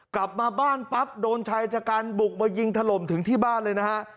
กลับมาบ้านปั๊บโดนชายชะกันบุกมายิงถล่มถึงที่บ้านเลยนะฮะ